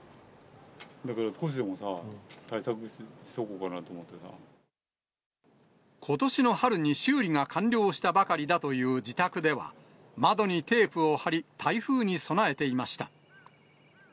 だから少しでもさ、ことしの春に修理が完了したばかりだという自宅では、窓にテープを貼り、台風に備えていました。